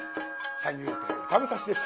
三遊亭歌武蔵でした。